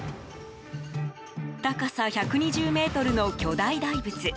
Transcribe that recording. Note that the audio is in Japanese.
高さ１２０ｍの巨大大仏。